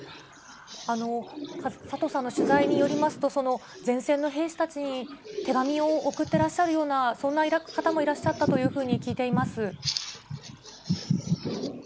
佐藤さんの取材によりますと、前線の兵士たちに手紙を送ってらっしゃるような、そんな方もいらっしゃったというふうに聞いています。